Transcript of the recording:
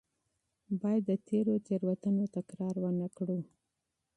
باید د تېرو تېروتنو تکرار ونه کړو.